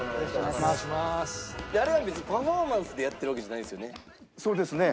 あれは別にパフォーマンスでやってるわけじゃないんですよね？